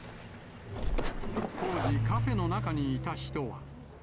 当時、カフェの中にいた人は。